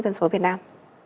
dân số việt nam